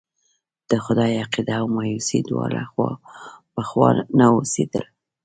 د خدای عقيده او مايوسي دواړه خوا په خوا نه اوسېدلی.